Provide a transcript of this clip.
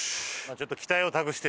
ちょっと。